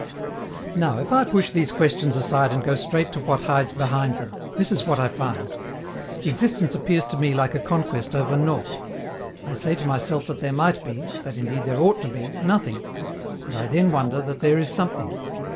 Now, if I push these questions aside and go straight to what hides behind them, this is what I find: Existence appears to me like a conquest over nought. I say to myself that there might be, that indeed there ought to be, nothing, and I then wonder that there is something.